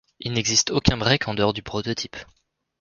Il n'existe aucun break en dehors du prototype.